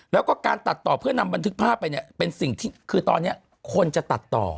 แล้วก็การตัดต่อเพื่อนำบันทึกภาพไปเนี่ยเป็นสิ่งที่คือตอนนี้คนจะตัดต่อ